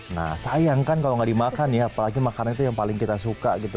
nah sayang kan kalau nggak dimakan ya apalagi makanan itu yang paling kita suka gitu